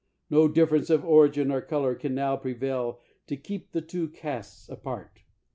Xo difference of origin or color can now prevail to keep the two castes apart.